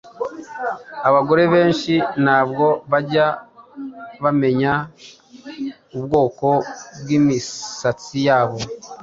Abagore benshi ntabwo bajya bamenya ubwoko bw’imisatsi yabo